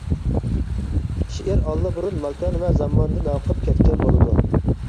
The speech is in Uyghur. شېئىر ئاللىبۇرۇن ماكان ۋە زاماندىن ھالقىپ كەتكەن بولىدۇ.